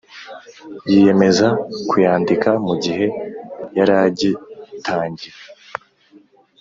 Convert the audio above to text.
yiyemeza kuyandika mugihe yaragitangira